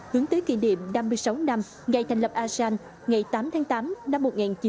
hướng tới kỷ niệm năm mươi sáu năm ngày thành lập asean ngày tám tháng tám năm một nghìn chín trăm bốn mươi năm